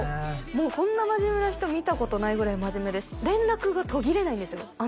もうこんな真面目な人見たことないぐらい真面目です連絡が途切れないんですよ